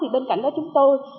bên cạnh đó chúng tôi